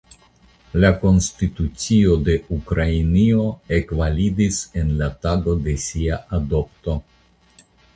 La Konstitucio de Ukrainio ekvalidis en la tago de sia adopto.